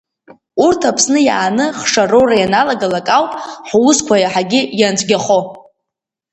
Урҭ Аԥсны иааны хшароура ианалагалак ауп, ҳусқәа иаҳагьы ианцәгьахо…